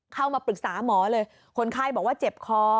เข้ามาปรึกษาหมอเลยคนไข้บอกว่าเจ็บคอ